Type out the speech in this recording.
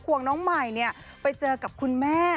วงน้องใหม่ไปเจอกับคุณแม่